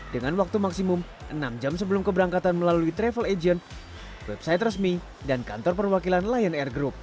dengan waktu maksimum enam jam sebelum keberangkatan melalui travel agent website resmi dan kantor perwakilan lion air group